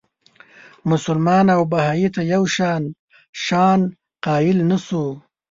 مسلمان او بهايي ته یو شان شأن قایل نه شو.